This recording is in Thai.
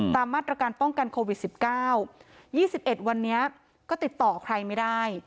ตามมาตรการป้องกันโควิด๑๙๒๑วันนี้ก็ติดต่อใครไม่ได้